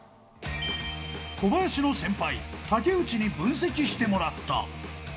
小林の先輩、竹内に分析してもらった。